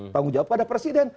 bangun jawab pada presiden